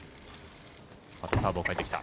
サーブを変えてきた。